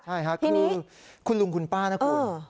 ใช่ค่ะคือคุณลุงคุณป้านะคุณ